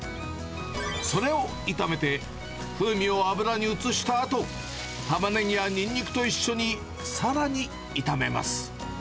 それを炒めて、風味を油に移したあと、タマネギやニンニクと一緒にさらに炒めます。